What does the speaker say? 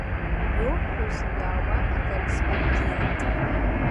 Иоуҳәозеи иаауа акорреспондент?